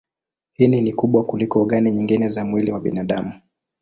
Ini ni kubwa kuliko ogani nyingine za mwili wa binadamu.